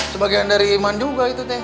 sebagian dari iman juga itu teh